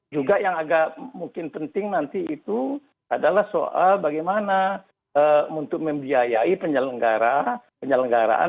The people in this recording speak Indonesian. juga yang agak mungkin penting nanti itu adalah soal bagaimana untuk membiayai penyelenggaraan